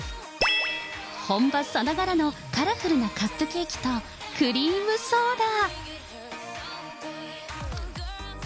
本場さながらのカラフルなカップケーキと、クリームソーダ。